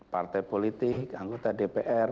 partai politik anggota dpr